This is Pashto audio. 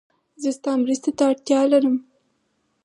زه ستا مرستې ته اړتیا لرم